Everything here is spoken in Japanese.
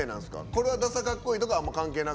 これは「ダサかっこいい」とかは関係なく？